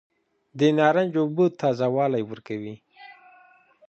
د نارنج اوبه تازه والی ورکوي.